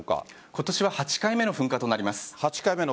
今年は８回目の噴火となります。